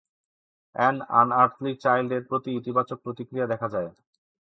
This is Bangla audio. "অ্যান আনআর্থলি চাইল্ড"-এর প্রতি ইতিবাচক প্রতিক্রিয়া দেখা যায়।